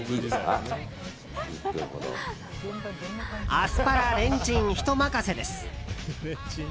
アスパラ、レンチン人任せです。